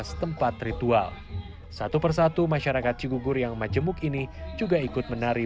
sampai jumpa di video selanjutnya